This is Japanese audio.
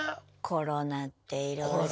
コロナっていろいろ。